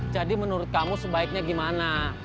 jadi menurut kamu sebaiknya gimana